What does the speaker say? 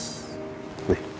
pulis ke pikiran soal kes ya